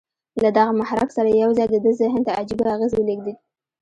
له دغه محرک سره یو ځای د ده ذهن ته عجيبه اغېز ولېږدېد